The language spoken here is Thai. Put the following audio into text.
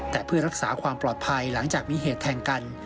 แต่เพื่อรักษาความปลอดภัยหลังจากมีเหตุแทงกัน